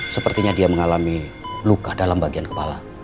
sepertinya dia mengalami luka dalam bagian kepala